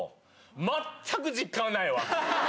全く実感ないわ！